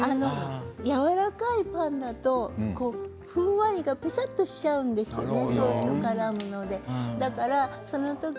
やわらかいパンだとふんわりが、ぱさっとしちゃうんですよね。